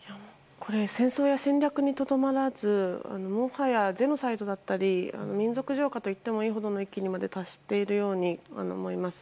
戦争や侵略にとどまらずもはやジェノサイドだったり民族浄化といってもいいくらいの域に達しているように思います。